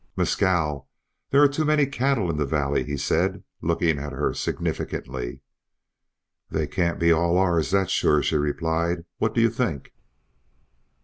"Mescal, there are too many cattle in the valley," he said, looking at her significantly. "They can't all be ours, that's sure," she replied. "What do you think?"